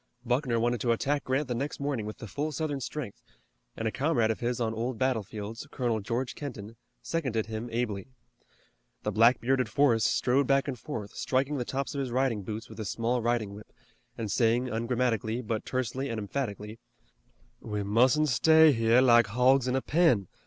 Buckner wanted to attack Grant the next morning with the full Southern strength, and a comrade of his on old battlefields, Colonel George Kenton, seconded him ably. The black bearded Forrest strode back and forth, striking the tops of his riding boots with a small riding whip, and saying ungrammatically, but tersely and emphatically: "We mustn't stay here like hogs in a pen.